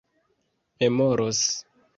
memoros